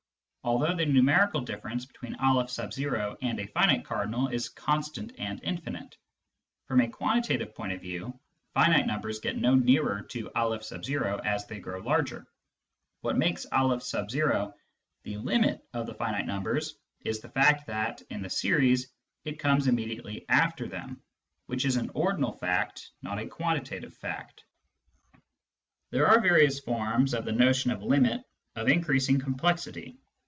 although the numerical difference between m and a finite cardinal is constant and infinite : from a quantitative point of view, finite numbers get no nearer to N as they grow larger. What makes N„ the limit of the finite numbers is the fact that, in the series, it comes immediately after them, which is an ordinal fact, not a quantitative fact. 97 7 98 Introduction to Mathematical Philosophy There are various forms of the notion of " limit," of in creasing complexity.